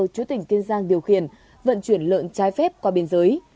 chú tỉnh kiên giang điều khiển vận chuyển lợn trái phép qua biên giới